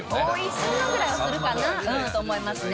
３万ぐらいはするかなと思いますね。